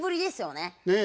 ねえ。